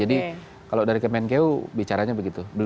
jadi kalau dari kemenkeu bicaranya begitu